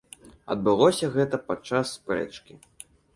Адбылося гэта падчас спрэчкі.